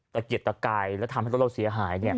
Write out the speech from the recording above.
แต่เกียรติแต่ไกลแล้วทำให้รถเราเสียหายเนี่ย